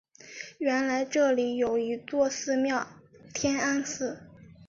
原来这里有一座寺庙天安寺。